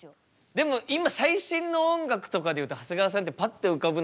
でも今最新の音楽とかでいうと長谷川さんってパッて浮かぶのはどこら辺が最新。